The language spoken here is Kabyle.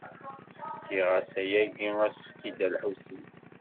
Fkiɣ-as yagi asefk i Dda Lḥusin.